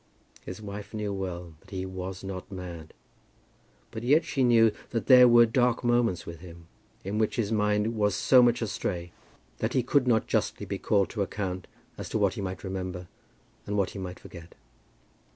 His wife knew well that he was not mad; but yet she knew that there were dark moments with him, in which his mind was so much astray that he could not justly be called to account as to what he might remember and what he might forget.